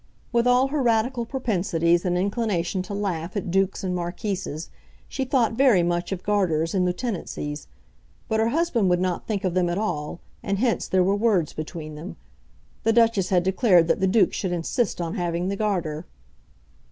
With all her Radical propensities and inclination to laugh at dukes and marquises, she thought very much of Garters and Lieutenancies; but her husband would not think of them at all, and hence there were words between them. The Duchess had declared that the Duke should insist on having the Garter.